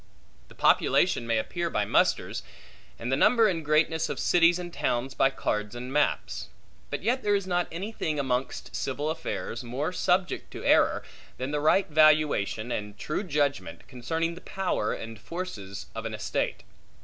The population may appear by musters; and the number and greatness of cities and towns by cards and maps. But yet there is not any thing amongst civil affairs more subject to error, than the right valuation and true judgment concerning the power and forces of an estate.